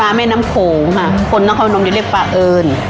ปลาเมธน้ำโขงค่ะคนเขานำนี้เรียกปลาเอิญ